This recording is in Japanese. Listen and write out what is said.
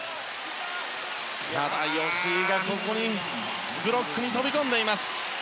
ただ吉井もブロックに飛び込んでいます。